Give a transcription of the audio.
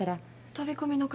「飛び込み」の方？